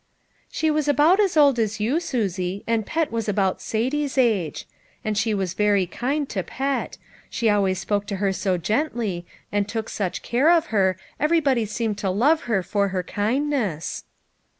" She was about as old as you, Susie, and Pet was about Satie's age. And she was very kind to Pet ; she always spoke to her so gently, and took such care of her ev erybody seemed to love her for her kindness."